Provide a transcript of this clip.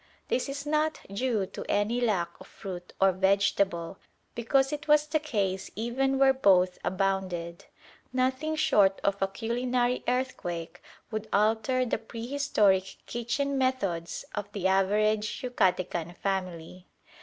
This is not due to any lack of fruit or vegetable, because it was the case even where both abounded. Nothing short of a culinary earthquake would alter the prehistoric kitchen methods of the average Yucatecan family.